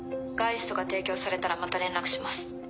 ガイストが提供されたらまた連絡します。